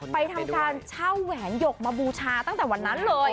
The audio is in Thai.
ทำการเช่าแหวนหยกมาบูชาตั้งแต่วันนั้นเลย